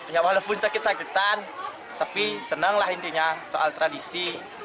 ya walaupun sakit sakitan tapi senanglah intinya soal tradisi